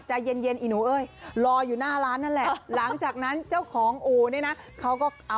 ใช่เรียบร้อยแล้วแหมคุณพี่